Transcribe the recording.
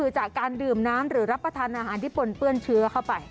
จากการดื่มน้ำหรือรับประทานอาหารที่ปนเปื้อนเชื้อเข้าไป